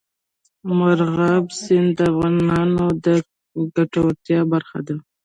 مورغاب سیند د افغانانو د ګټورتیا برخه ده.